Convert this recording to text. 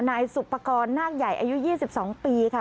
นายสุปกรณ์นาคใหญ่อายุ๒๒ปีค่ะ